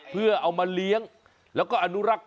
เพื่อเอามาเลี้ยงแล้วก็อนุรักษ์